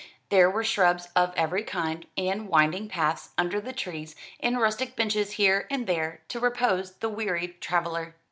There were shrubs of every kind, and winding paths under the trees, and rustic benches here and there to repose the wearied traveller.